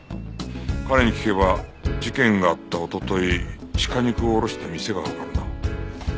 彼に聞けば事件があったおととい鹿肉を卸した店がわかるな。